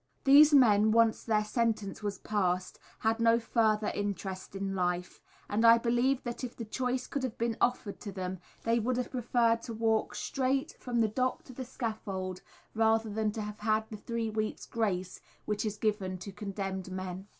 These men, when once their sentence was passed, had no further interest in life; and I believe that if the choice could have been offered to them they would have preferred to walk straight from the dock to the scaffold, rather than to have had the three weeks' grace which is given to condemned men.